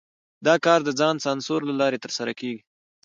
دا کار د ځان سانسور له لارې ترسره کېږي.